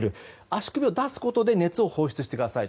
足首を出すことで熱を放出してください。